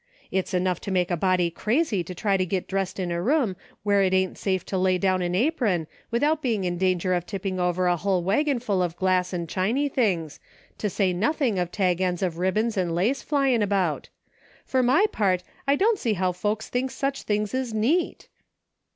It's enough to make a body crazy to try to git dressed in a room where it ain't safe to lay down an apron, without being in danger of tipping over a hull wagon full of glass and chiny things, to say nothing of tag ends of ribbons and lace 282 A GREAT MANY "LITTLE THINGS." flyin' about. For my part, I don't see how folks thinks such things is neat."